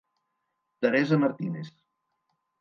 Teresa Martínez.